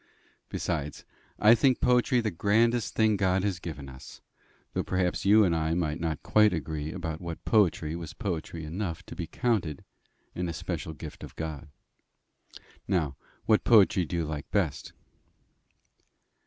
Besides, I think poetry the grandest thing God has given us though perhaps you and I might not quite agree about what poetry was poetry enough to be counted an especial gift of God. Now, what poetry do you like best?"